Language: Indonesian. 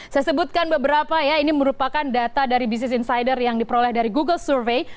saya sebutkan beberapa ya ini merupakan data dari bisnis insider yang diperoleh dari google survey